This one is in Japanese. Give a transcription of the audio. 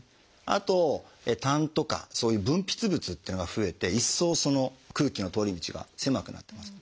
あと痰とかそういう分泌物っていうのが増えて一層その空気の通り道が狭くなってます。